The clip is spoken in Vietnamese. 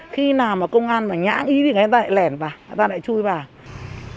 khi nào mà công an mà nhãn ý thì người ta lại lẻn vào người ta lại chui vào